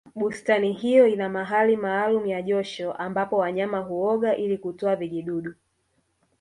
bustani hiyo ina mahali maalumu ya josho ambapo wanyama huoga ili kutoa vijidudu